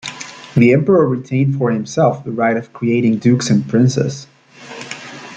The Emperor retained for himself the right of creating dukes and princes.